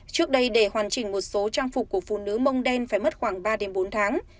trước đây để hoàn chỉnh một số trang phục của phụ nữ mông đen phải mất khoảng ba bốn tháng